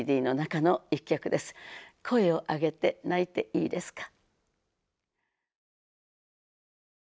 「声をあげて泣いていいですか」。